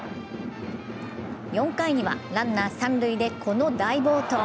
４回にはランナー三塁でこの大暴投。